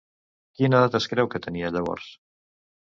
Quina edat es creu que tenia llavors?